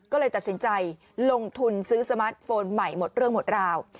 ก็เลยตัดสินใจลงทุนซื้อสมาร์ทโฟนใหม่หมดเรื่องหมดราว